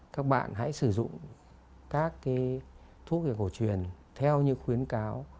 các bạn hãy sử dụng các thuốc về cổ truyền theo những khuyến cáo